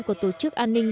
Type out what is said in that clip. của tổ chức an ninh